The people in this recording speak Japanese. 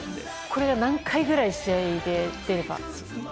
これが何回くらい試合で出れば？